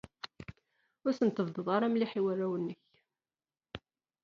Ur asen-tebdideḍ mliḥ i warraw-nnek.